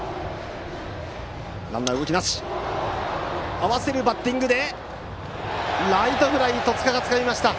合わせるバッティングでライトフライを戸塚、つかみました。